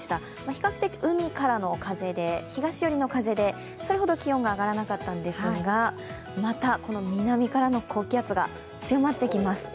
比較的海からの東寄りの風でそれほど気温が上がらなかったんですがまたこの南からの高気圧が強まってきます。